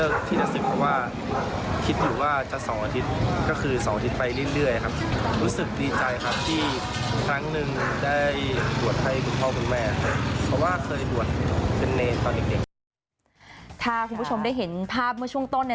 ถ้าคุณผู้ชมได้เห็นภาพเมื่อช่วงต้น